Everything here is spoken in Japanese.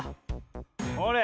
ほれ